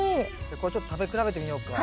これちょっと食べ比べてみようか。